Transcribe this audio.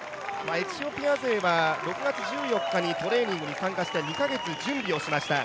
エチオピア勢は６月１４日にトレーニングに参加して、２か月準備をしました。